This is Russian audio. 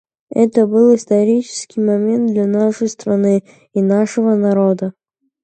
Это был исторический момент для нашей страны и нашего народа.